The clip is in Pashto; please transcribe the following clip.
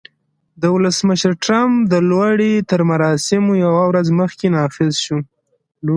د ولسمشر ټرمپ د لوړې تر مراسمو یوه ورځ مخکې نافذ شو